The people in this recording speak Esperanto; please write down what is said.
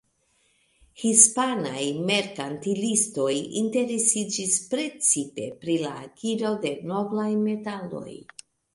Hispanaj merkantilistoj interesiĝis precipe pri la akiro de noblaj metaloj.